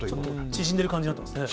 縮んでる感じになってますね。